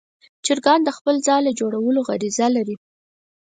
چرګان د خپل ځاله جوړولو غریزه لري.